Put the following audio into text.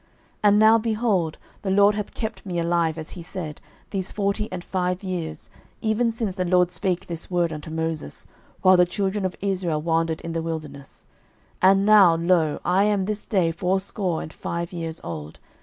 06:014:010 And now, behold, the LORD hath kept me alive, as he said, these forty and five years, even since the LORD spake this word unto Moses, while the children of Israel wandered in the wilderness: and now, lo, I am this day fourscore and five years old.